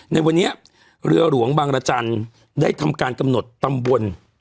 ในวันนี้เรือหลวงบางรจันทร์ได้ทำการกำหนดตำบล